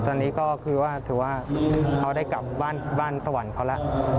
ตอนนี้ก็คือว่าถือว่าเขาได้กลับบ้านสวรรค์เขาแล้ว